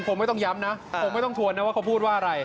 คงไม่ต้องย้ำนะคงไม่ต้องทวนนะว่าเขาพูดว่าอะไร